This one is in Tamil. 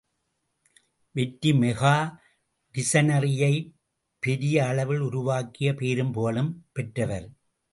வெற்றி மெகா டிக்ஷனரியைப் பெரிய அளவில் உருவாக்கிப் பேரும் புகழும் பெற்றவர்.